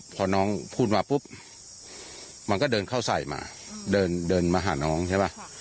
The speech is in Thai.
พอน้องพูดมาปุ๊บมันก็เดินเข้าใส่มาเดินมาหาน้องใช่ป่ะ